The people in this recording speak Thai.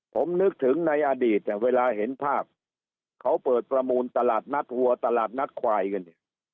ผมนึกถึงในอดีตเวลาเห็นภาพเขาเปิดประมูลตลาดนัดวัวตลาดนัดควายกันเนี่ย